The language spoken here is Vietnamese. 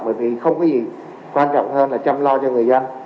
bởi vì không có gì quan trọng hơn là chăm lo cho người dân